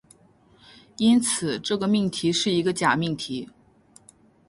因此，这个命题是一个假命题。